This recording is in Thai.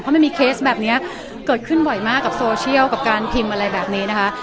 มันมีเคสแบบนี้เกิดขึ้นบ่อยมากกับโซเชียลกับการพิมพ์อะไรแบบนี้นะคะ